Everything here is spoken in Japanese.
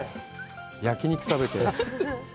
焼き肉食べて。